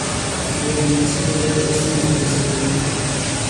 هغوی په مناسبو بیو آسونه تر لاسه کوي.